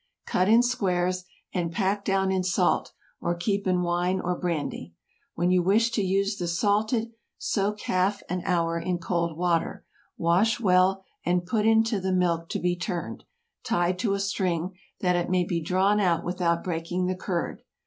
Cut in squares, and pack down in salt, or keep in wine or brandy. When you wish to use the salted, soak half an hour in cold water, wash well, and put into the milk to be turned, tied to a string, that it may be drawn out without breaking the curd.